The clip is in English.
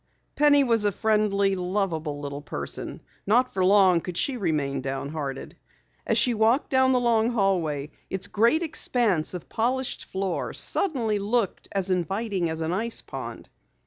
Penny was a friendly, loveable little person. Not for long could she remain downhearted. As she walked down the long hallway, its great expanse of polished floor suddenly looked as inviting as an ice pond.